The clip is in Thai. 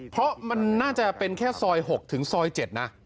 เพราะมันน่าจะเป็นแค่ซอย๖ถึงซอย๗นะ